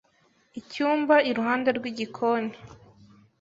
icyumba iruhande rw'igikoni